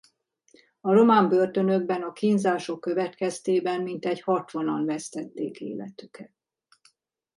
A román börtönökben a kínzások következtében mintegy hatvanan vesztették életüket.